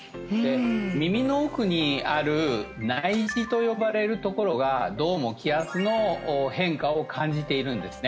耳の奥にある内耳と呼ばれるところがどうも気圧の変化を感じているんですね